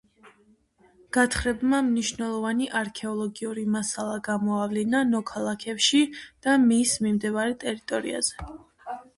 გათხრებმა მნიშვნელოვანი არქეოლოგიური მასალა გამოავლინა ნოქალაქევში და მის მიმდებარე ტერიტორიაზე.